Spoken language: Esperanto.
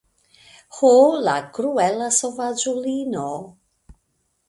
Ho, la kruela sovaĝulino.